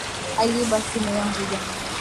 Aliiba simu yangu jana